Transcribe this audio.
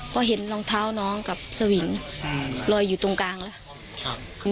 ก็เห็นรองเท้าน้องกับสวิงลอยอยู่ตรงกลางแล้ว